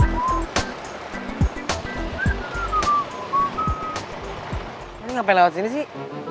ini sampai lewat sini sih